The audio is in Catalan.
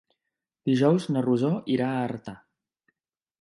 Dijous na Rosó irà a Artà.